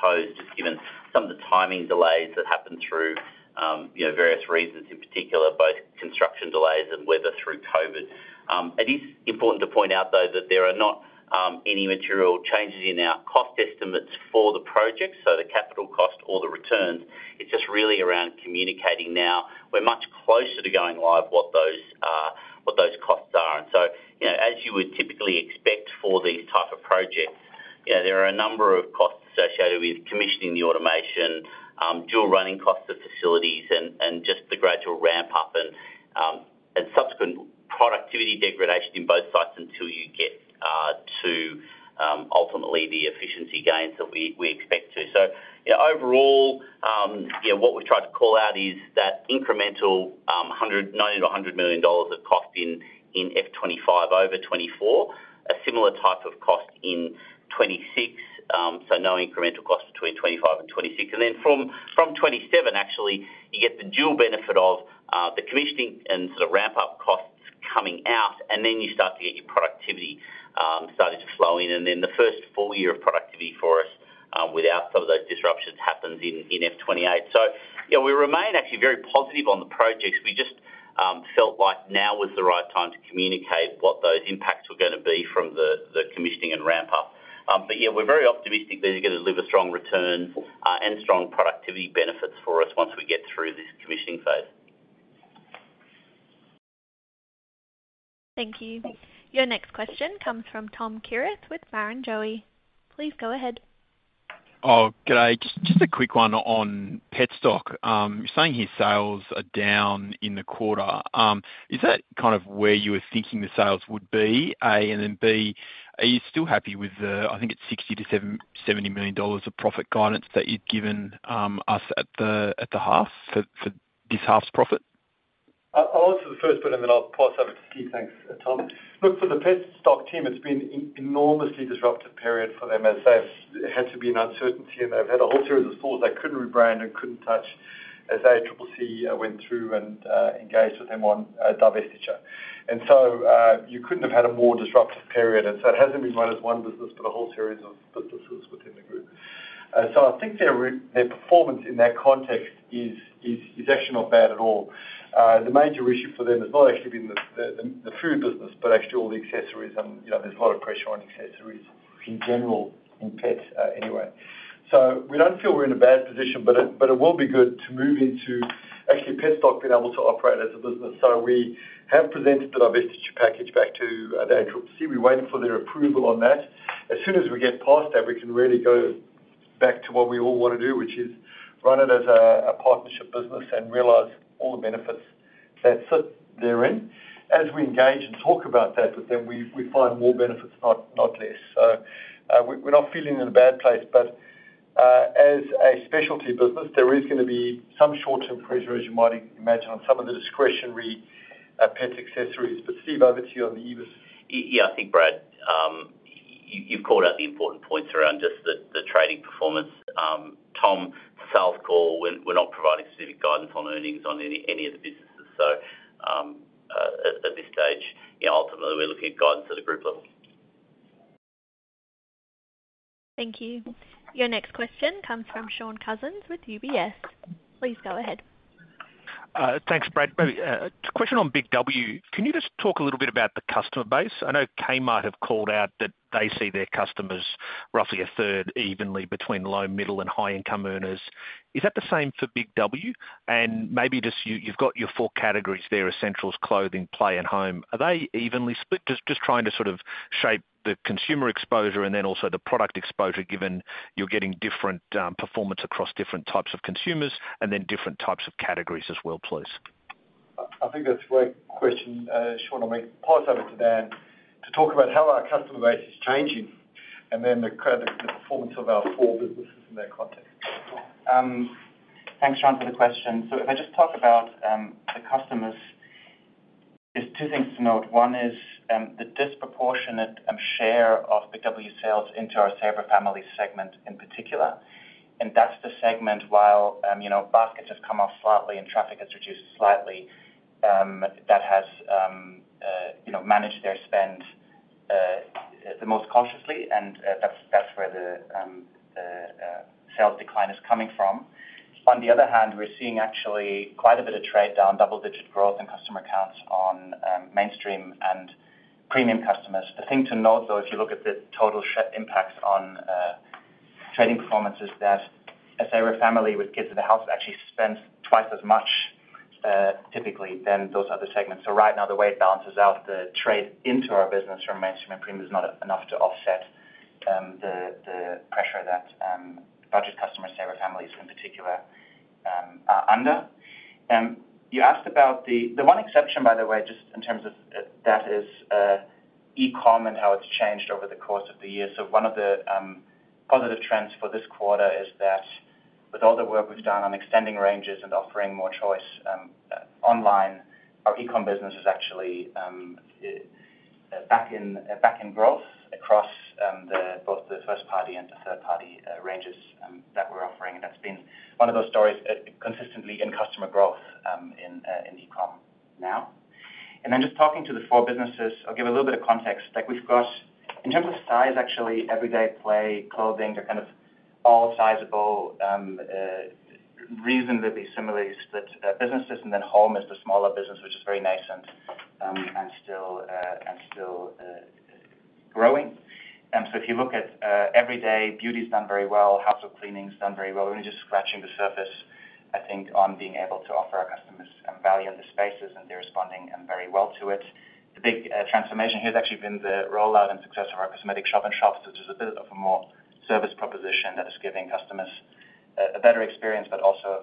proposed, just given some of the timing delays that happened through, you know, various reasons, in particular, both construction delays and weather through COVID. It is important to point out, though, that there are not any material changes in our cost estimates for the project, so the capital cost or the returns, it's just really around communicating now. We're much closer to going live, what those costs are. And so, you know, as you would typically expect for these type of projects, you know, there are a number of costs associated with commissioning the automation, dual running costs of facilities and just the gradual ramp up and subsequent productivity degradation in both sites until you get to ultimately the efficiency gains that we expect to. So, you know, overall, you know, what we've tried to call out is that incremental 190 million-100 million dollars of cost in F25 over 2024, a similar type of cost in 2026. So no incremental cost between 2025 and 2026. And then from 2027, actually, you get the dual benefit of the commissioning and sort of ramp-up costs coming out, and then you start to get your productivity starting to flow in. And then the first full year of productivity for us without some of those disruptions happens in F28. So, you know, we remain actually very positive on the projects. We just felt like now was the right time to communicate what those impacts were gonna be from the commissioning and ramp up. But yeah, we're very optimistic that you're gonna deliver strong returns, and strong productivity benefits for us once we get through this commissioning phase.
Thank you. Your next question comes from Tom Kierath with Barrenjoey. Please go ahead.
Oh, good day. Just a quick one on Petstock. You're saying his sales are down in the quarter. Is that kind of where you were thinking the sales would be, A? And then, B, are you still happy with the, I think it's 60 million-70 million dollars of profit guidance that you'd given us at the half, for this half's profit?
I'll answer the first bit, and then I'll pass over to Steve. Thanks, Tom. Look, for the Petstock team, it's been an enormously disruptive period for them, as they've had to be in uncertainty, and they've had a whole series of stores they couldn't rebrand and couldn't touch as ACCC went through and engaged with them on divestiture. And so you couldn't have had a more disruptive period, and so it hasn't been run as one business, but a whole series of sub-businesses within the group. So I think their performance in that context is actually not bad at all. The major issue for them has not actually been the food business, but actually all the accessories and, you know, there's a lot of pressure on accessories in general, in pets anyway. So we don't feel we're in a bad position, but it will be good to move into actually Petstock being able to operate as a business. So we have presented the divestiture package back to the ACCC. We're waiting for their approval on that. As soon as we get past that, we can really go back to what we all want to do, which is run it as a partnership business and realize all the benefits that sit therein. As we engage and talk about that with them, we, we find more benefits, not, not less. So, we're, we're not feeling in a bad place, but, uh, as a specialty business, there is gonna be some short-term pressure, as you might imagine, on some of the discretionary pet accessories. But Steve, over to you on the EBIT.
Yeah, I think, Brad.... You, you've called out the important points around just the trading performance. Tom, sales call, we're, we're not providing specific guidance on earnings on any of the businesses. So, at this stage, yeah, ultimately, we're looking at guidance at a group level.
Thank you. Your next question comes from Shaun Cousins with UBS. Please go ahead.
Thanks, Brad. Question on BIG W. Can you just talk a little bit about the customer base? I know Kmart have called out that they see their customers roughly a third evenly between low, middle, and high-income earners. Is that the same for BIG W? And maybe just you, you've got your four categories there, essentials, clothing, play, and home. Are they evenly split? Just trying to sort of shape the consumer exposure and then also the product exposure, given you're getting different performance across different types of consumers and then different types of categories as well, please.
I think that's a great question, Shaun. Let me pass over to Dan to talk about how our customer base is changing and then the performance of our four businesses in that context.
Thanks, Shaun, for the question. So if I just talk about the customers, there's two things to note. One is the disproportionate share of BIG W sales into our Saver Family segment in particular, and that's the segment while you know, baskets have come off slightly and traffic has reduced slightly, that has you know, managed their spend the most cautiously, and that's where the sales decline is coming from. On the other hand, we're seeing actually quite a bit of trade down, double-digit growth in customer counts on mainstream and premium customers. The thing to note, though, if you look at the total share impact on trading performance, is that a Saver Family with kids in the house actually spends twice as much typically than those other segments. So right now, the way it balances out, the trade into our business from mainstream and premium is not enough to offset the pressure that budget customers, Saver Families in particular, are under. You asked about the... The one exception, by the way, just in terms of that is e-com and how it's changed over the course of the year. So one of the positive trends for this quarter is that with all the work we've done on extending ranges and offering more choice online, our e-com business is actually back in growth across both the first party and the third party ranges that we're offering. And that's been one of those stories consistently in customer growth in e-com now. Then just talking to the four businesses, I'll give a little bit of context. Like we've got, in terms of size, actually, Everyday, Play, Clothing, they're kind of all sizable, reasonably similarly split businesses, and then Home is the smaller business, which is very nice and still growing. So if you look at Everyday, Beauty's done very well, Household Cleaning's done very well. We're just scratching the surface, I think, on being able to offer our customers value in the spaces, and they're responding very well to it. The big transformation here has actually been the rollout and success of our cosmetic shop and shops, which is a bit of a more service proposition that is giving customers a better experience, but also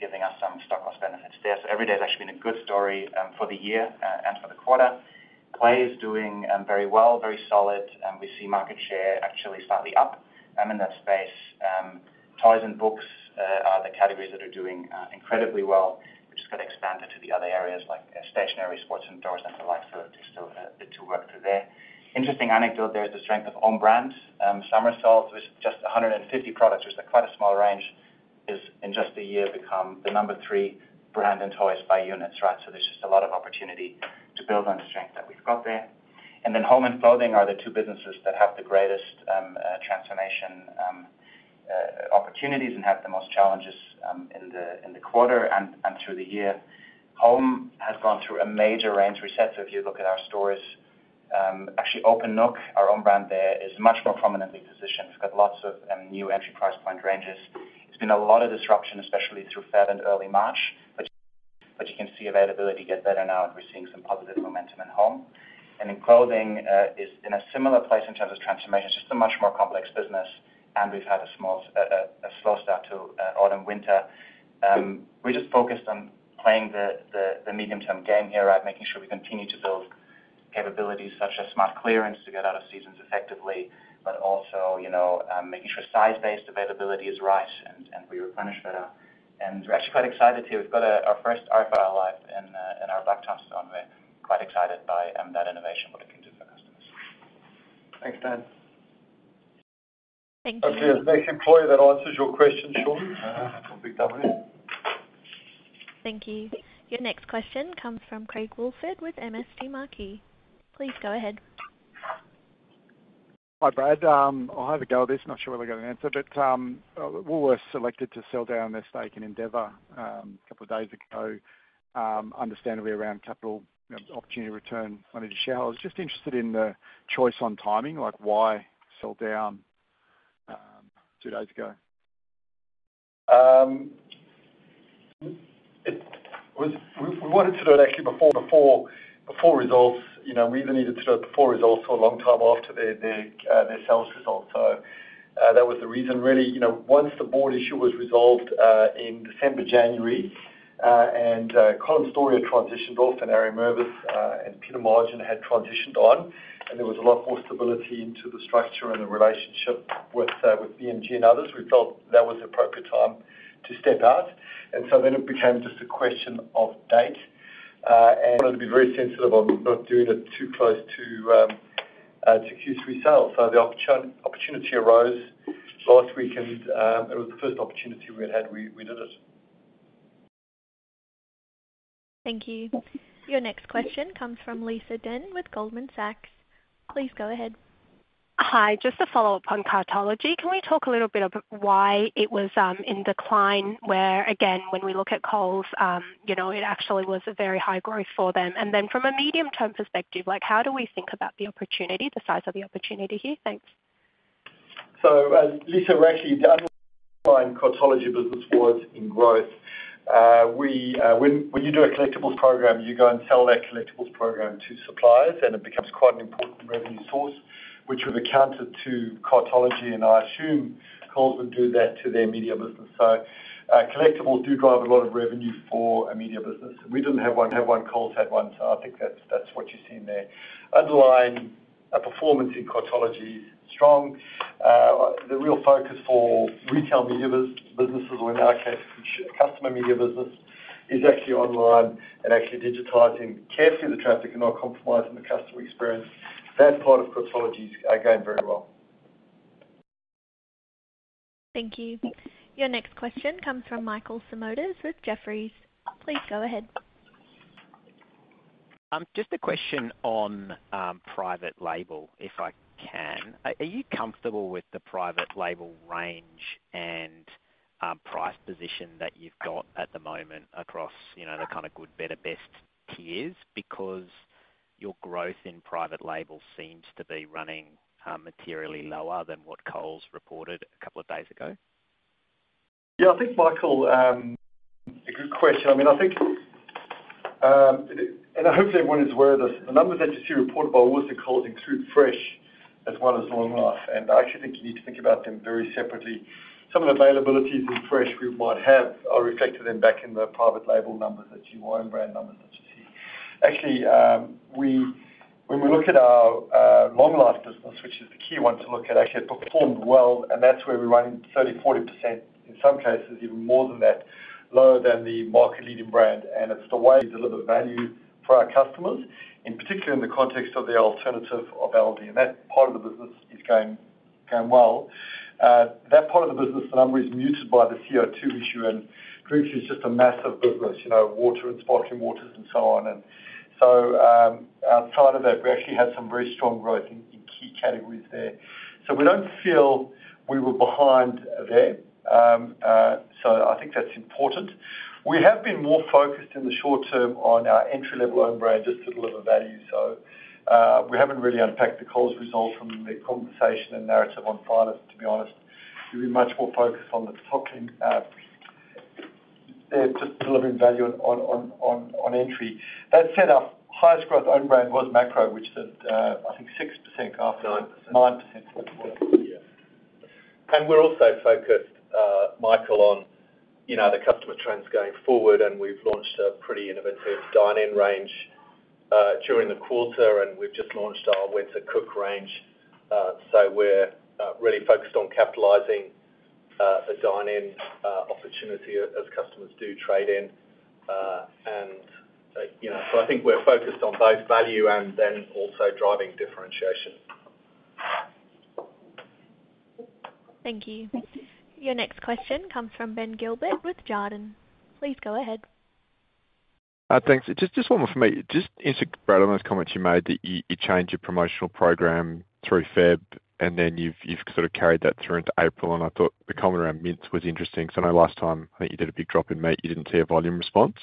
giving us some stock loss benefits there. So Everyday has actually been a good story, for the year, and for the quarter. Play is doing, very well, very solid, and we see market share actually slightly up, in that space. Toys and Books, are the categories that are doing, incredibly well, which is gonna expand it to the other areas like Stationery, Sports, and Door Central Life. So there's still a bit to work through there. Interesting anecdote, there is the strength of own brands. Somersault, which is just 150 products, which is quite a small range, is, in just a year, become the number three brand in toys by units, right? So there's just a lot of opportunity to build on the strength that we've got there. And then Home and Clothing are the two businesses that have the greatest transformation opportunities and have the most challenges in the quarter and through the year. Home has gone through a major range reset. So if you look at our stores, actually, Openook, our own brand there, is much more prominently positioned. It's got lots of new entry price point ranges. It's been a lot of disruption, especially through February and early March, but you can see availability get better now, and we're seeing some positive momentum at Home. And in Clothing is in a similar place in terms of transformation. It's just a much more complex business, and we've had a small a slow start to autumn, winter. We're just focused on playing the medium-term game here, right? Making sure we continue to build capabilities such as smart clearance to get out of seasons effectively, but also, you know, making sure size-based availability is right and, and we replenish better. And we're actually quite excited here. We've got our first RFR live in our Blacktown store, and we're quite excited by that innovation, what it can do for customers.
Thanks, Dan.
Thank you.
Hope you employ that answers your question, Shaun, on BIG W.
Thank you. Your next question comes from Craig Woolford with MST Marquee. Please go ahead.
Hi, Brad. I'll have a go at this. Not sure whether I've got an answer, but Woolworths selected to sell down their stake in Endeavour a couple of days ago, understandably, around capital, you know, opportunity return money to shareholders. Just interested in the choice on timing, like, why sell down two days ago?
We wanted to do it actually before results. You know, we either needed to do it before results or a long time after their sales results. So that was the reason really. You know, once the board issue was resolved in December, January, and Colin Storrie had transitioned off, and Ari Mervis and Peter Margin had transitioned on, and there was a lot more stability in the structure and the relationship with BMG and others, we felt that was the appropriate time to step out. And so then it became just a question of date and wanted to be very sensitive on not doing it too close to Q3 sales. The opportunity arose last week, and it was the first opportunity we had had. We did it.
Thank you. Your next question comes from Lisa Deng with Goldman Sachs. Please go ahead.
Hi. Just a follow-up on Cartology. Can we talk a little bit about why it was in decline, where, again, when we look at Coles, you know, it actually was a very high growth for them. And then from a medium-term perspective, like, how do we think about the opportunity, the size of the opportunity here? Thanks.
So, Lisa, we're actually our Cartology business was in growth. When, when you do a collectibles program, you go and sell that collectibles program to suppliers, and it becomes quite an important revenue source, which was accounted to Cartology, and I assume Coles would do that to their media business. So, collectibles do drive a lot of revenue for a media business, and we didn't have one, have one, Coles had one, so I think that's, that's what you're seeing there. Underlying performance in Cartology is strong. The real focus for retail media businesses, or in our case, customer media business, is actually online and actually digitizing carefully the traffic and not compromising the customer experience. That part of Cartology is going very well.
Thank you. Your next question comes from Michael Simotas with Jefferies. Please go ahead.
Just a question on private label, if I can. Are you comfortable with the private label range and price position that you've got at the moment across, you know, the kind of good, better, best tiers? Because your growth in private label seems to be running materially lower than what Coles reported a couple of days ago.
Yeah, I think, Michael, a good question. I mean, I think, and I hope everyone is aware of this, the numbers that you see reported by Woolworths and Coles include fresh as well as long life, and I actually think you need to think about them very separately. Some of the availabilities in fresh we might have are reflected in back in the private label numbers that you, own brand numbers that you see. Actually, when we look at our long life business, which is the key one to look at, actually it performed well, and that's where we're running 30%-40%, in some cases, even more than that, lower than the market leading brand. And it's the way we deliver value for our customers, in particular in the context of the alternative availability, and that part of the business is going, going well. That part of the business, the number is muted by the CO2 issue, and previously it's just a massive business, you know, water and sparkling waters and so on. So, outside of that, we actually had some very strong growth in key categories there. So we don't feel we were behind there. So I think that's important. We have been more focused in the short term on our entry-level own brand just to deliver value. So, we haven't really unpacked the Coles result from the conversation and narrative on Friday, to be honest. We've been much more focused on the top end, just delivering value on entry. That said, our highest growth own brand was Macro, which is at, I think 6% after-
Nine percent.
9%, yeah.
We're also focused, Michael, on, you know, the customer trends going forward, and we've launched a pretty innovative Dine-in range during the quarter, and we've just launched our Winter Cook range. So we're really focused on capitalizing a Dine-in opportunity as customers do trade in. And, you know, so I think we're focused on both value and then also driving differentiation.
Thank you. Your next question comes from Ben Gilbert with Jarden. Please go ahead.
Thanks. Just, just one more for me. Just into, Brad, on those comments you made, that you changed your promotional program through Feb, and then you've sort of carried that through into April, and I thought the comment around mince was interesting, because I know last time I think you did a big drop in meat, you didn't see a volume response.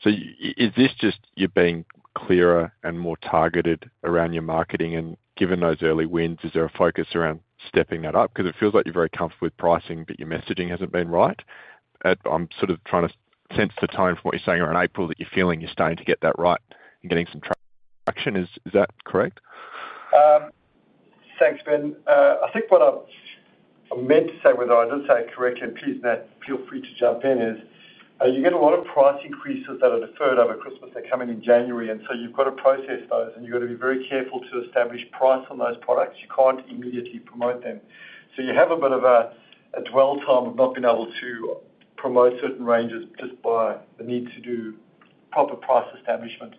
So is this just you being clearer and more targeted around your marketing? And given those early wins, is there a focus around stepping that up? Because it feels like you're very comfortable with pricing, but your messaging hasn't been right. I'm sort of trying to sense the tone from what you're saying around April, that you're feeling you're starting to get that right and getting some traction. Is that correct?
Thanks, Ben. I think what I've meant to say, whether I did say it correctly, and please, Matt, feel free to jump in, is you get a lot of price increases that are deferred over Christmas. They're coming in January, and so you've got to process those, and you've got to be very careful to establish price on those products. You can't immediately promote them. So you have a bit of a dwell time of not being able to promote certain ranges just by the need to do proper price establishment.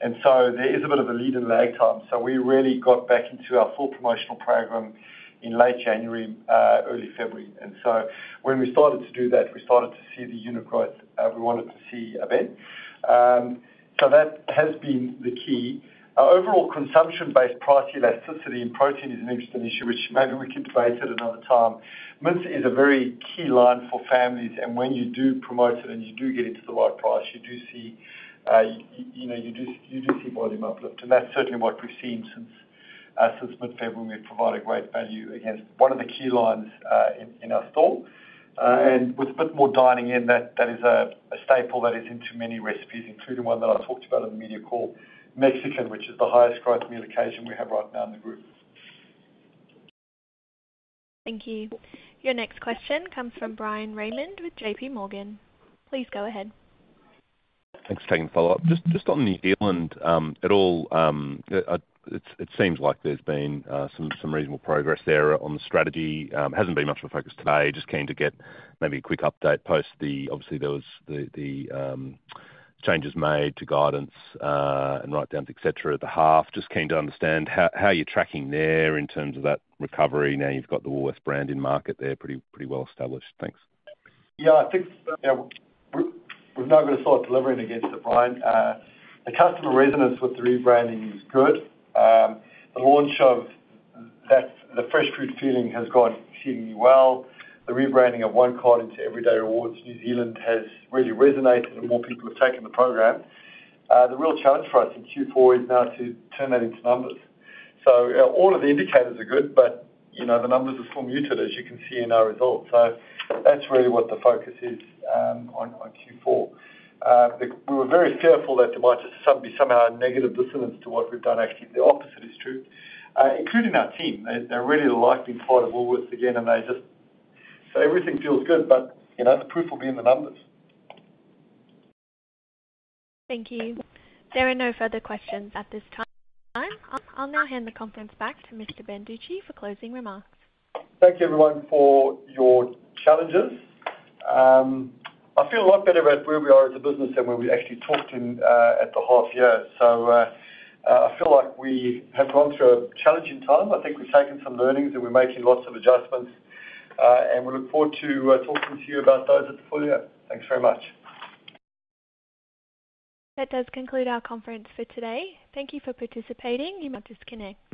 And so there is a bit of a lead and lag time. So we really got back into our full promotional program in late January, early February. And so when we started to do that, we started to see the unit growth we wanted to see a bit. So that has been the key. Our overall consumption-based price elasticity in protein is an interesting issue, which maybe we can debate at another time. Mince is a very key line for families, and when you do promote it and you do get it to the right price, you do see, you know, you do see volume uplift. And that's certainly what we've seen since mid-February. We've provided great value against one of the key lines in our store. And with a bit more dining in, that is a staple that is into many recipes, including one that I talked about in the media call, Mexican, which is the highest growth meal occasion we have right now in the group.
Thank you. Your next question comes from Bryan Raymond with JP Morgan. Please go ahead.
Thanks for taking the follow-up. Just on New Zealand at all, it seems like there's been some reasonable progress there on the strategy. It hasn't been much of a focus today. Just keen to get maybe a quick update post the... Obviously, there was the changes made to guidance and write-downs, et cetera, at the half. Just keen to understand how you're tracking there in terms of that recovery now you've got the Woolworths brand in market there, pretty well established. Thanks.
Yeah, I think, you know, we're, we've now got a solid delivery against it, Bryan. The customer resonance with the rebranding is good. The launch of that, the fresh food feeling has gone exceedingly well. The rebranding of Onecard into Everyday Rewards New Zealand has really resonated, and more people have taken the program. The real challenge for us in Q4 is now to turn that into numbers. So all of the indicators are good, but, you know, the numbers are still muted, as you can see in our results. So that's really what the focus is on Q4. We were very fearful that there might just somehow be a negative dissonance to what we've done. Actually, the opposite is true, including our team. They're really liking part of Woolworths again, and they just... Everything feels good, but, you know, the proof will be in the numbers.
Thank you. There are no further questions at this time. I'll now hand the conference back to Mr. Banducci for closing remarks.
Thank you, everyone, for your challenges. I feel a lot better about where we are as a business than when we actually talked at the half year. I think we've taken some learnings, and we're making lots of adjustments, and we look forward to talking to you about those at the full year. Thanks very much.
That does conclude our conference for today. Thank you for participating. You may now disconnect.